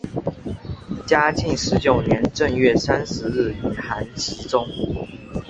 嘉靖十九年正月三十日以寒疾终。